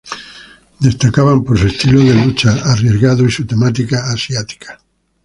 Destacaban por su estilo de lucha arriesgado y su temática asiática.